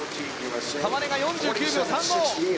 川根、４９秒３５。